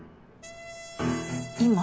今？